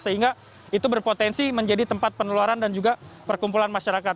sehingga itu berpotensi menjadi tempat peneluaran dan juga perkumpulan masyarakat